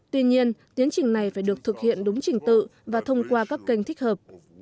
tuy nhiên tiến trình này phải được thực hiện đúng trình tự và thông qua các kênh thích hợp